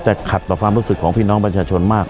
แต่ขัดต่อความรู้สึกของพี่น้องประชาชนมาก